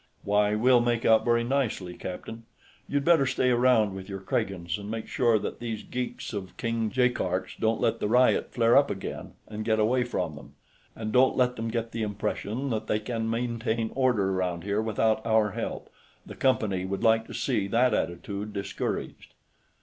Why, we'll make out very nicely, captain. You'd better stay around with your Kragans and make sure that these geeks of King Jaikark's don't let the riot flare up again and get away from them. And don't let them get the impression that they can maintain order around here without our help; the Company would like to see that attitude discouraged."